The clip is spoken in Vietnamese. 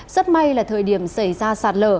rất may là thời điểm xảy ra sạt lở